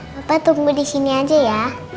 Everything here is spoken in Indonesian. papa tunggu disini aja ya